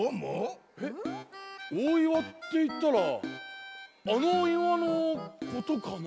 えっおおいわっていったらあのいわのことかな？